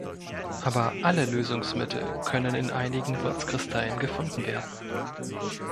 Aber „alle“ Lösungsmittel können in einigen Wirtskristallen gefunden werden.